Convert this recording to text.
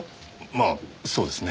まあそうですね。